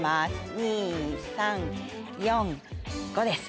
２・３・４・５です。